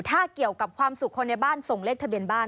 ถ้าเกี่ยวกับความสุขคนในบ้านส่งเลขทะเบียนบ้าน